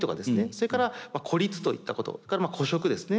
それから孤立といったことそれから孤食ですね。